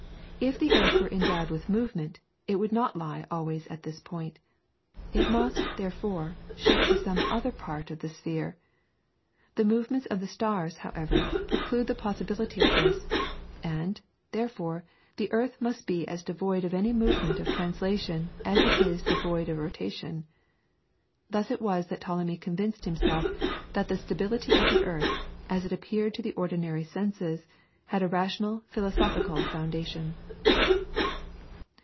If the earth were to be endowed with movement, it would not lie always at this point, it must, therefore, shift to some other part of the sphere. The movements of the stars, however, preclude the possibility of this; and, therefore, the earth must be as devoid of any movement of translation as it is devoid of rotation. Thus it was that Ptolemy convinced himself that the stability of the earth, as it appeared to the ordinary senses, had a rational philosophical foundation.